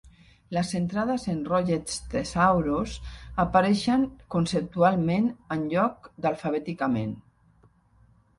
Les entrades en "Roget's Thesaurus" apareixen conceptualment en lloc d'alfabèticament.